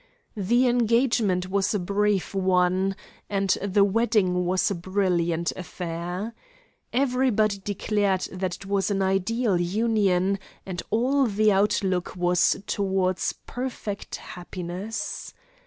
The engagement was a brief one; and the wedding was a brilliant affair. Everybody declared that it was an ideal union, and all the outlook was toward perfect happiness.